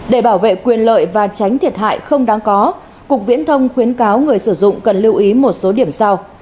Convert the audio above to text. để bảo vệ quyền lợi và tránh thiệt hại không đáng có cục viễn thông khuyến cáo người sử dụng cần lưu ý một số điểm sau